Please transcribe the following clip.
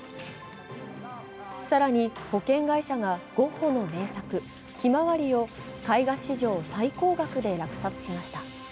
更に、保険会社がゴッホの名作「ひまわり」を絵画史上最高額で落札しました。